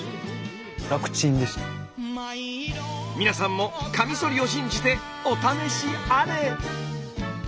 皆さんもカミソリを信じてお試しあれ。